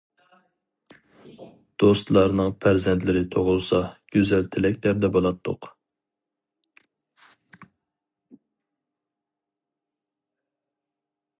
دوستلارنىڭ پەرزەنتلىرى تۇغۇلسا گۈزەل تىلەكلەردە بولاتتۇق.